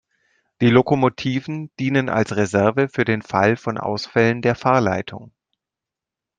Die Lokomotiven dienen als Reserve für den Fall von Ausfällen der Fahrleitung.